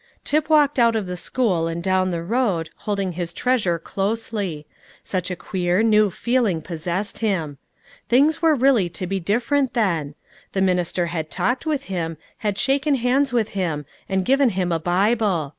Tip walked out of the school and down the road, holding his treasure closely. Such a queer, new feeling possessed him. Things were really to be different, then. The minister had talked with him, had shaken hands with him, and given him a Bible.